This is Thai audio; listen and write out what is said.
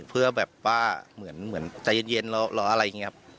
เพื่อแบบว่าเหมือนใจเย็นล้ออะไรอย่างนี้ครับ